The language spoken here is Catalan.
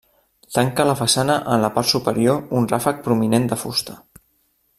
Tanca la façana en la part superior un ràfec prominent de fusta.